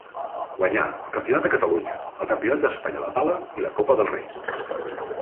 Guanyà el Campionat de Catalunya, el Campionat d'Espanya de pala i la Copa del Rei.